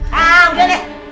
hah udah deh